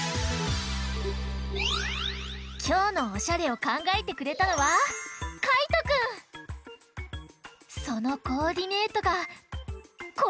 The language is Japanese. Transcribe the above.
きょうのおしゃれをかんがえてくれたのはそのコーディネートがこちら！